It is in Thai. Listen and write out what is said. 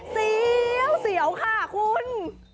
เสียวค่ะคุณ